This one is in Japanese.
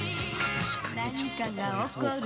確かにちょっと声そうか。